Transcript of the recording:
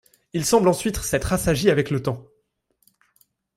Il semble ensuite s'être assagi avec le temps.